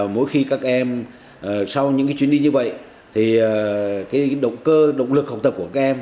mỗi khi các em sau những chuyến đi như vậy thì động cơ động lực học tập của các em